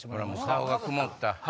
顔が曇った。